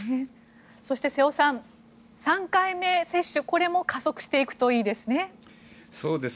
そして瀬尾さん３回目接種、これも加速していくといいですね。